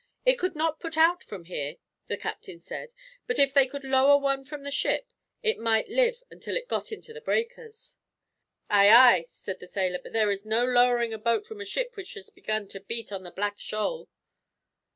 "It could not put out from here," the Captain said; "but if they could lower one from the ship, it might live until it got into the breakers." "Aye, aye," said a sailor; "but there is no lowering a boat from a ship which has begun to beat on the Black Shoal."